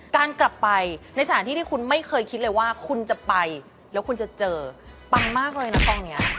การกลับไปในสถานที่ที่คุณไม่เคยคิดเลยว่าคุณจะไปแล้วคุณจะเจอปังมากเลยนะตอนนี้